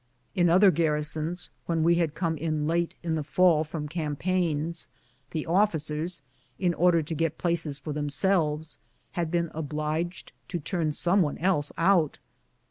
In other garrisons, when we had come in late in the fall from campaigns, the officers, in order to get places for them selves, had been obliged to turn some one else out.